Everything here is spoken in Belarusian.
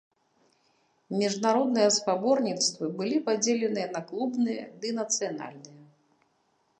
Міжнародныя спаборніцтвы былі падзеленыя на клубныя ды нацыянальныя.